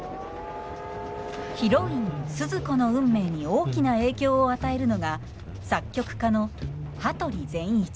ヒロインスズ子の運命に大きな影響を与えるのが作曲家の羽鳥善一。